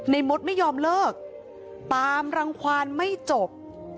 มดไม่ยอมเลิกตามรังความไม่จบ